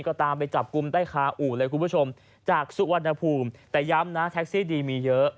ก็ตามไปจับกลุ่มได้คาอู่เลยคุณผู้ชมจากสุวรรณภูมิแต่ย้ำนะแท็กซี่ดีมีเยอะ